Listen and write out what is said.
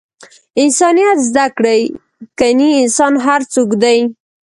انسانیت زده کړئ! کنې انسان هر څوک دئ!